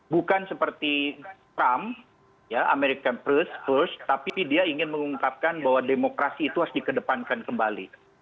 bukan seperti trump american first first tapi dia ingin mengungkapkan bahwa demokrasi itu harus dikedepankan kembali